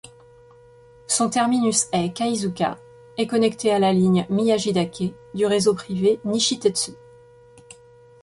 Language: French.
Son terminus est, Kaizuka, est connecté à la ligne Miyajidake du réseau privé Nishitetsu.